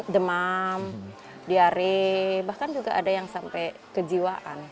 demam diare bahkan juga ada yang sampai kejiwaan